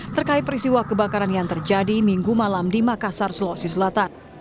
terkait peristiwa kebakaran yang terjadi minggu malam di makassar sulawesi selatan